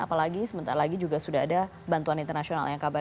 apalagi sebentar lagi juga sudah ada bantuan internasional yang kabar